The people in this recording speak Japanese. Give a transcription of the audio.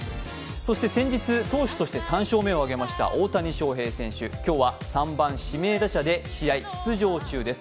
そして先日、投手として３勝目を挙げました大谷翔平選手、今日は３番・指名打者で試合出場中です。